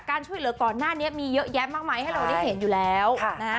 ช่วยเหลือก่อนหน้านี้มีเยอะแยะมากมายให้เราได้เห็นอยู่แล้วนะฮะ